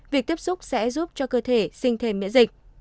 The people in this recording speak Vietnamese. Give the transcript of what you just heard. việc tiếp xúc sẽ giúp cho cơ thể sinh thêm miễn dịch